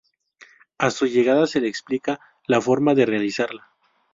A su llegada se le explica la forma de realizarla.